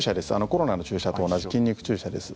コロナの注射と同じ筋肉注射です。